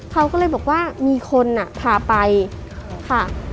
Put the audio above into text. เขาก็เลยบอกว่ามีคนพาไปค่ะ